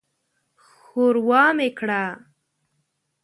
ښوروا مې کړه.